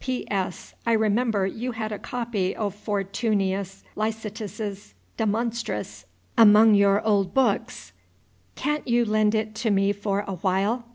P. S. I remember you had a copy of Fortunius Licetus' "De Monstris" among your old books. Can't you lend it to me for a while?